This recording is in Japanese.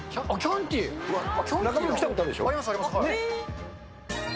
あっ、中丸君来たことあるでしょう？